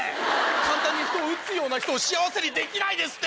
簡単に人を撃つような人を幸せにできないですって！